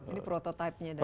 ini prototipe nya dari ini